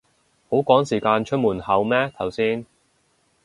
好趕時間出門口咩頭先